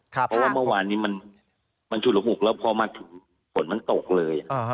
เพราะว่าเมื่อวานนี้มันฉุดละหุกแล้วพอมาถึงฝนมันตกเลย